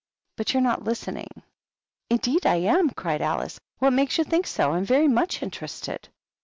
But you're not listening." ^^ Indeed I am!" cried Alice. "What makes you think so? I'm very much interested."